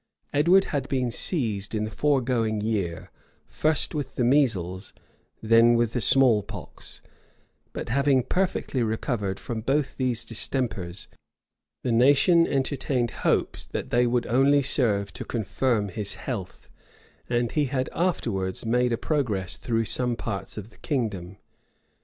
Edward had been seized in the foregoing year, first with the measles, then with the small pox; but having perfectly recovered from both these distempers, the nation entertained hopes that they would only serve to confirm his health; and he had afterwards made a progress through some parts of the kingdom.